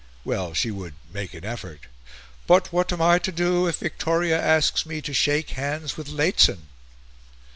Well, she would make an effort... "But what am I to do if Victoria asks me to shake hands with Lehzen?"